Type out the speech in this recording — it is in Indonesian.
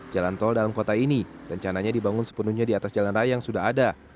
jalan tol dalam kota ini rencananya dibangun sepenuhnya di atas jalan raya yang sudah ada